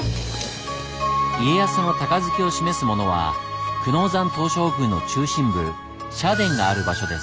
家康の鷹好きを示すものは久能山東照宮の中心部社殿がある場所です。